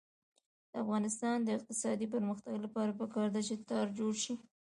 د افغانستان د اقتصادي پرمختګ لپاره پکار ده چې تار جوړ شي.